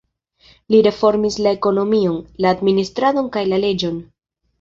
Li reformis la ekonomion, la administradon kaj la leĝon.